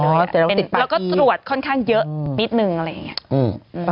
แต่เราก็ติดปากที่แล้วก็ตรวจค่อนข้างเยอะนิดนึงอะไรอย่างนี้